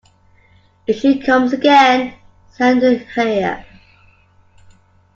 If she comes again, send her here.